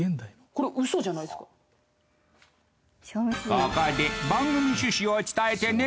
ここで番組趣旨を伝えてハム？